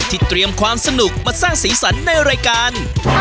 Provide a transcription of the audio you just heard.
เตรียมความสนุกมาสร้างสีสันในรายการ